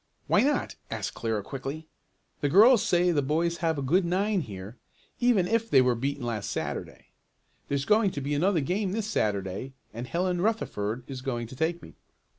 "Why not?" asked Clara quickly. "The girls say the boys have a good nine here, even if they were beaten last Saturday. There's going to be another game this Saturday, and Helen Rutherford is going to take me."